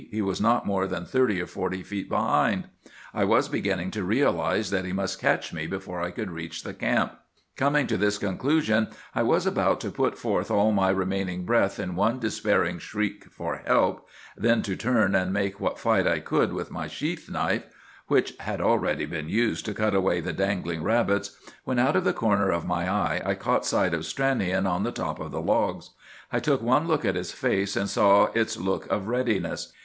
He was not more than thirty or forty feet behind. I was beginning to realize that he must catch me before I could reach the camp. "Coming to this conclusion, I was just about to put forth all my remaining breath in one despairing shriek for help, then to turn and make what fight I could with my sheath knife, which had already been used to cut away the dangling rabbits, when out of the corner of my eye I caught sight of Stranion on the top of the logs. I took one look at his face and saw its look of readiness.